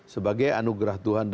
sebagai anugerah tuhan